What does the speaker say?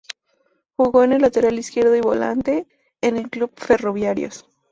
Jugó de lateral izquierdo y volante, en el Club Ferroviarios.